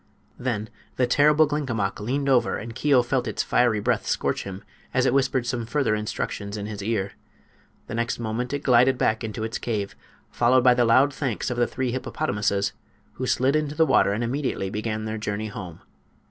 Then the terrible Glinkomok leaned over, and Keo felt its fiery breath scorch him as it whispered some further instructions in his ear. The next moment it glided back into its cave, followed by the loud thanks of the three hippopotamuses, who slid into the water and immediately began their journey home.